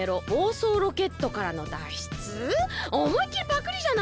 おもいっきりパクリじゃないの。